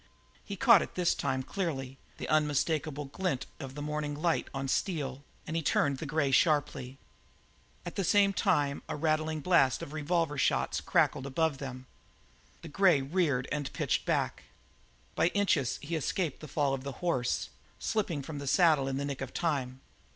He caught it this time clearly, the unmistakable glint of the morning light on steel, and he turned the grey sharply. At the same time a rattling blast of revolver shots crackled above them; the grey reared and pitched back. By inches he escaped the fall of the horse, slipping from the saddle in the nick of time.